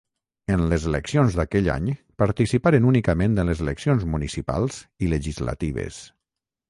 En les eleccions d'aquell any participaren únicament en les eleccions municipals i legislatives.